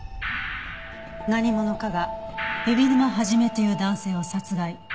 何者かが海老沼肇という男性を殺害。